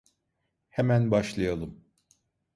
Hemen başlayalım.